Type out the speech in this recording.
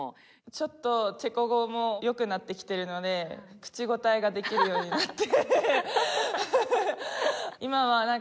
ちょっとチェコ語も良くなってきているので、口答えができるようになって。